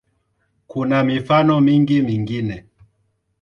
Kuna mifano mingi mingine.